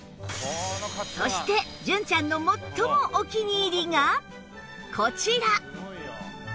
そして純ちゃんの最もお気に入りがこちら！